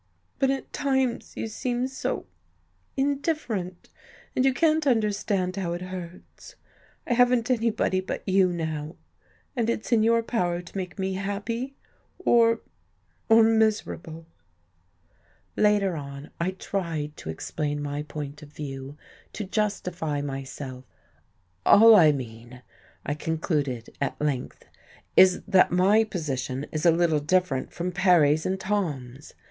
But at times you seem so indifferent, and you can't understand how it hurts. I haven't anybody but you, now, and it's in your power to make me happy or or miserable." Later on I tried to explain my point of view, to justify myself. "All I mean," I concluded at length, "is that my position is a little different from Perry's and Tom's.